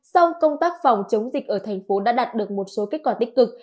song công tác phòng chống dịch ở thành phố đã đạt được một số kết quả tích cực